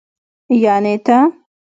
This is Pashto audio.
يعنې ته.